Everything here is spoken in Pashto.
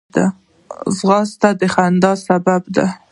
ځغاسته د خندا سبب ده